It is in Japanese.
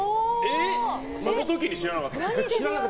その時に知らなかったんですか？